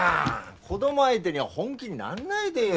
子供相手に本気になんないでよ。